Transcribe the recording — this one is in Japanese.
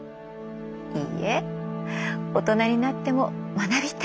いいえ大人になっても学びたい！